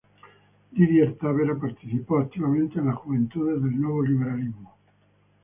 Didier Tavera participó activamente en las Juventudes del Nuevo Liberalismo.